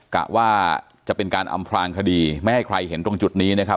กะว่าจะเป็นการอำพลางคดีไม่ให้ใครเห็นตรงจุดนี้นะครับ